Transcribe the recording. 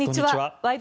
「ワイド！